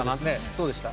そうでした。